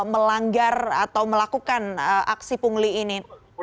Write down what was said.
melanggar atau melakukan aksi pungli ini